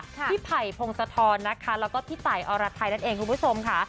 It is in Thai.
พี่ไผ่พงศธรนะคะแล้วก็พี่ตายอรไทยนั่นเองคุณผู้ชมค่ะ